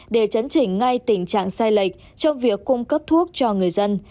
để chấn chỉnh ngay tình trạng sai lệch trong việc cung cấp thuốc cho người dân